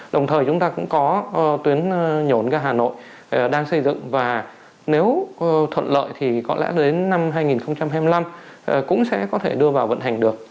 đồng thời chúng ta cũng có tuyến nhổn ga hà nội đang xây dựng và nếu thuận lợi thì có lẽ đến năm hai nghìn hai mươi năm cũng sẽ có thể đưa vào vận hành được